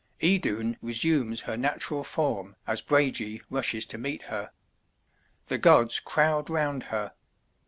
Idun resumes her natural form as Brage rushes to meet her. The gods crowd round her.